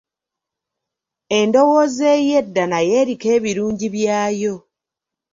Endowooza ey'edda nayo eriko ebirungi byayo.